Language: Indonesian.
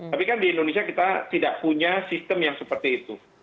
tapi kan di indonesia kita tidak punya sistem yang seperti itu